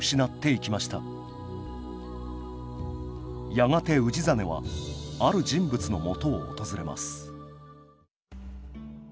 やがて氏真はある人物のもとを訪れます